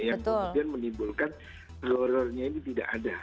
yang kemudian menimbulkan horrornya ini tidak ada